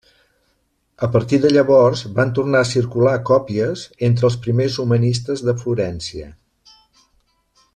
A partir de llavors van tornar a circular còpies entre els primers humanistes de Florència.